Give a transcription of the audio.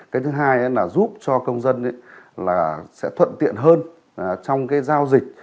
cái thứ hai là giúp cho công dân sẽ thuận tiện hơn trong giao dịch